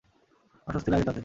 অস্বস্তি লাগে তাতে।